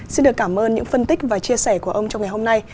xin được cảm ơn những phân tích và chia sẻ của ông trong ngày hôm nay